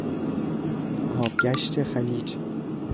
آبگشت خلیج